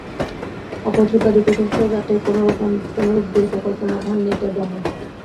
অপর ত্রিপাদি কূটস্থ, যাতে কোনরূপ দ্বৈত-কল্পনার ভান নেই, তাই ব্রহ্ম।